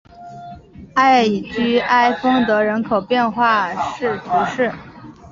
艾居埃丰德人口变化图示